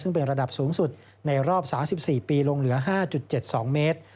ซึ่งเป็นระดับสูงสุดในรอบ๓๔ปีลงเหลือ๕๗๒เมตร